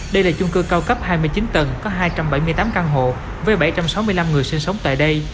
đây là chung cư cao cấp hai mươi chín tầng có hai trăm bảy mươi tám căn hộ với bảy trăm sáu mươi năm người sinh sống tại đây